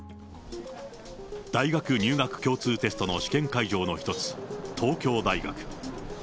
大学入学共通テストの試験会場の一つ、東京大学。